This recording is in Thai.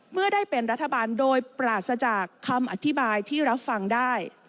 เมื่อได้เป็นรัฐบาลโดยปราศจากคำอธิบายที่รับฟังได้